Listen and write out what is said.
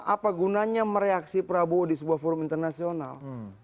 apa gunanya mereaksi prabowo di sebuah forum internasional